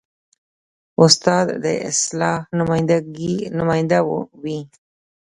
استاد د اصلاح نماینده وي.